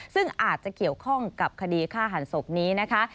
ซึ่งอาจจะเกี่ยวข้องกับคดีฆ่าหันศพนี้นะคะ